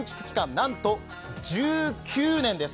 なんと、１９年です。